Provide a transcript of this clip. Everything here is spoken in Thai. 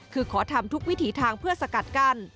คือขอทำทุกวิถีทางเพื่อสกัดกั้น